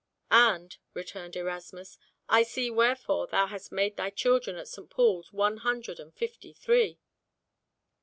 "And," returned Erasmus, "I see wherefore thou hast made thy children at St. Paul's one hundred and fifty and three."